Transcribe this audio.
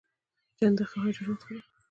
چنډخه حشرات خوري